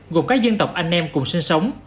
gồm các dân tộc anh em cùng sinh sống